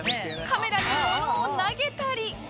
カメラに物を投げたり